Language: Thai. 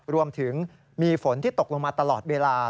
รวมถึงมีฝนที่ตกลงมาตลอดเวลา